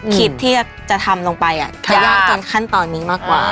คิดที่จะทำลงไปจะยากจนขั้นตอนนี้มากกว่า